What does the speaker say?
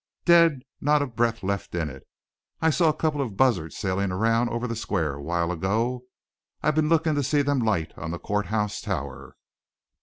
"Dead, not a breath left in it. I saw a couple of buzzards sailin' around over the square a while ago. I've been lookin' to see them light on the courthouse tower."